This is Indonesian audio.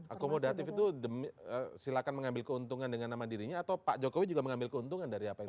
akomodatif itu silakan mengambil keuntungan dengan nama dirinya atau pak jokowi juga mengambil keuntungan dari apa itu